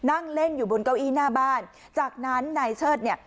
นั่งเล่นอยู่บนเก้าอี้หน้าบ้านจากนั้นนายเชิดเนี่ย